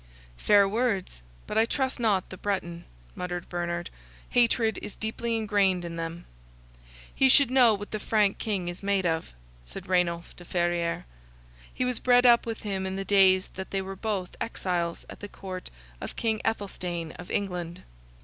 "Fair words, but I trust not the Breton," muttered Bernard; "hatred is deeply ingrained in them." "He should know what the Frank King is made of," said Rainulf de Ferrieres; "he was bred up with him in the days that they were both exiles at the court of King Ethelstane of England."